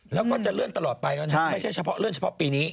แล้วก็จะเลื่อนตลอดไปเนอะไม่ใช่เลื่อนเฉพาะปีนี้